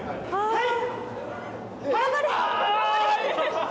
はい！